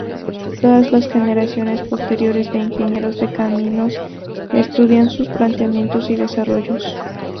Todas las generaciones posteriores de ingenieros de caminos estudian sus planteamientos y desarrollos.